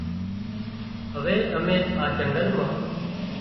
هوي امين آ جنگل مان